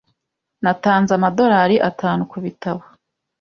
Natanze amadorari atanu kubitabo.